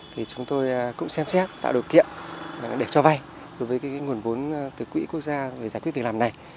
thì chúng tôi cũng xem xét tạo điều kiện để cho vay đối với cái nguồn vốn từ quỹ quốc gia về giải quyết việc làm này